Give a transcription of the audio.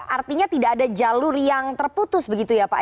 artinya tidak ada jalur yang terputus begitu ya pak